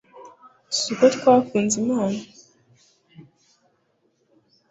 si uko twakunze imana